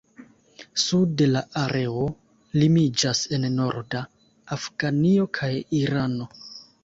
Sude la areo limiĝas en norda Afganio kaj Irano.